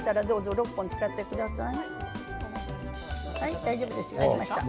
６本使ってください。